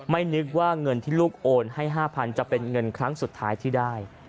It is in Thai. นึกว่าเงินที่ลูกโอนให้๕๐๐จะเป็นเงินครั้งสุดท้ายที่ได้